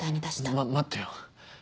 ま待ってよ。